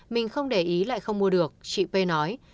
mình không để ý lại không mua được chị p nói